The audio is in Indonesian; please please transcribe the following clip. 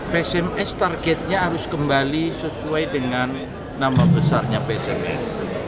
psms targetnya harus kembali sesuai dengan nama besarnya psms